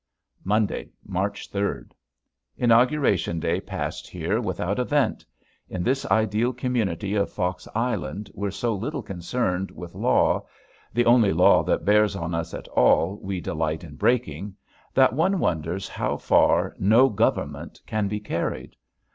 Monday, March third. Inauguration day passed here without event. In this ideal community of Fox Island we're so little concerned with law the only law that bears on us at all we delight in breaking that one wonders how far no government can be carried.